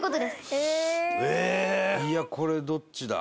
伊達：いや、これ、どっちだ？